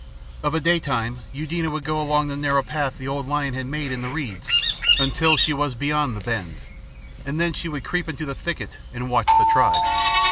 Of a daytime Eudena would go along the narrow path the old lion had made in the reeds until she was beyond the bend, and then she would creep into the thicket and watch the tribe.